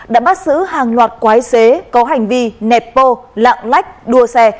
đã bắt giữ hàng loạt quái xế có hành vi nẹp bô lạng lách đua xe